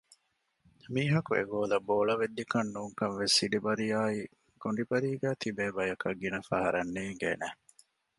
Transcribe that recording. މީހަކު އެ ގޯލަށް ބޯޅަ ވެއްދިކަން ނޫންކަން ވެސް ސިޑިބަރިއާއި ގޮނޑިބަރީގައި ތިބޭ ބަޔަކަށް ގިނަފަހަރަށް ނޭނގޭނެ